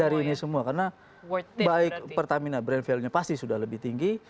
dari ini semua karena baik pertamina brand value nya pasti sudah lebih tinggi